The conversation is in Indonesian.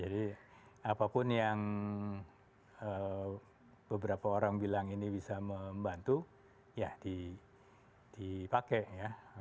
jadi apapun yang beberapa orang bilang ini bisa membantu ya dipakai ya